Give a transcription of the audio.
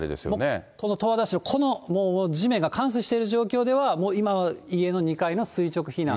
この十和田市の、この地面が冠水している状況では、もう今、家の２階の垂直避難。